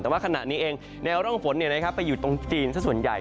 แต่ว่าขณะนี้เองแนวร่องฝนไปอยู่ตรงจีนสักส่วนใหญ่